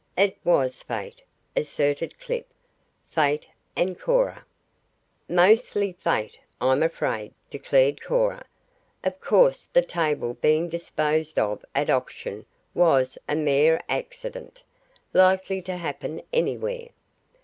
"It was fate," asserted Clip. "Fate and Cora." "Mostly fate, I'm afraid," declared Cora. "Of course the table being disposed of at auction was a mere accident, likely to happen anywhere.